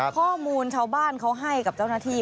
ข้อมูลชาวบ้านเขาให้กับเจ้าหน้าที่